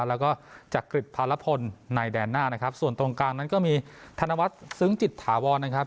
แล้วก็จักริจพารพลในแดนหน้านะครับส่วนตรงกลางนั้นก็มีธนวัฒน์ซึ้งจิตถาวรนะครับ